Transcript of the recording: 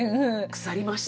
腐りました。